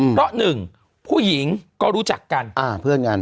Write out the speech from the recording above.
เพราะหนึ่งผู้หญิงก็รู้จักกัน